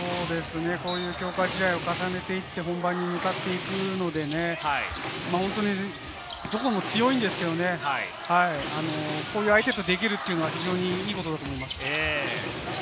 こういう強化試合を重ねていって本番に向かっていくので、本当にどこも強いんですけれども、こういう相手とできるというのは非常にいいことだと思います。